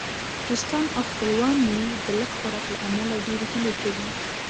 دوستان او خپلوان مې د لږ خوراک له امله ډېرې ګیلې کوي.